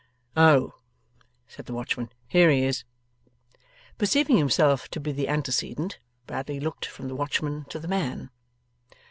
'Oh!' said the watchman. 'Here he is!' Perceiving himself to be the antecedent, Bradley looked from the watchman to the man.